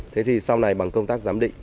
thế thì sau này bằng công tác giám định